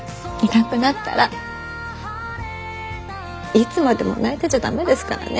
いつまでも泣いてちゃ駄目ですからね。